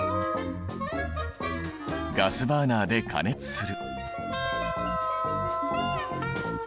ガスバーナーで加熱する。